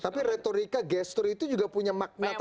tapi retorika gesture itu juga punya makna tertentu